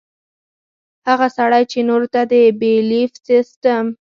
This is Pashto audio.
هغه سړے چې نورو ته د بيليف سسټم